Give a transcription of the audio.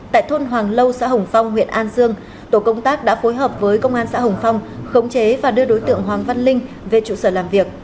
tại thôn hoàng lâu xã hồng phong huyện an dương tổ công tác đã phối hợp với công an xã hồng phong khống chế và đưa đối tượng hoàng văn linh về trụ sở làm việc